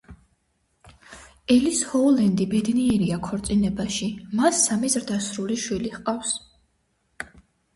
ელის ჰოულენდი ბედნიერია ქორწინებაში, მას სამი ზრდასრული შვილი ჰყავს.